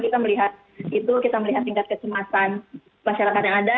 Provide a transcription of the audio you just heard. kita melihat itu kita melihat tingkat kecemasan masyarakat yang ada